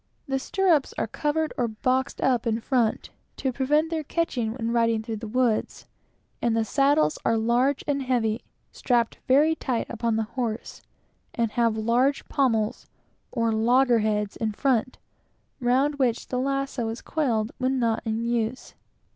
The stirrups are covered or boxed up in front, to prevent their catching when riding through the woods; and the saddles are large and heavy, strapped very tight upon the horse, and have large pommels, or loggerheads, in front, round which the "lasso" is coiled when not in use.